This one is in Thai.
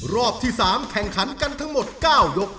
รอบที่๓แข่งขันกันทั้งหมด๙ยก